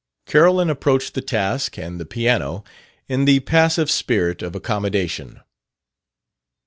Carolyn approached the task and the piano in the passive spirit of accommodation.